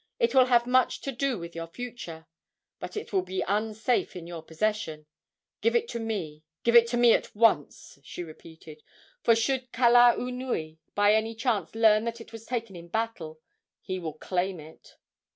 It will have much to do with your future. But it will be unsafe in your possession. Give it to me. Give it to me at once," she repeated, "for should Kalaunui by any chance learn that it was taken in battle, he will claim it."